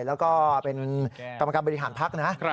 แล้วก็เป็นกรรมการบริหารพักนะ